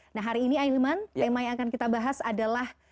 nah hari ini ahilman tema yang akan kita bahas adalah